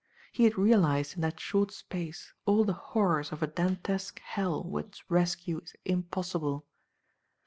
He had realized in that short space all the horrors of a Dantesque hell whence rescue is impossible.